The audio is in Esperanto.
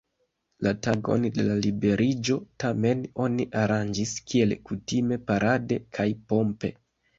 La tagon de liberiĝo, tamen, oni aranĝis kiel kutime parade kaj pompe.